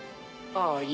ああ。